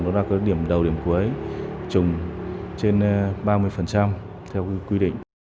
đó là cái điểm đầu điểm cuối trùng trên ba mươi theo quy định